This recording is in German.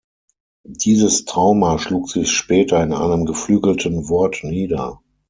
Dieses Trauma schlug sich später in einem geflügelten Wort nieder.